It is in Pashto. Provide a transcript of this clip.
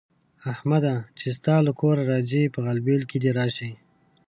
احمده! چې ستا له کوره راځي؛ په غلبېل کې دې راشي.